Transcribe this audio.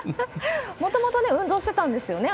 もともと運動してたんですよね？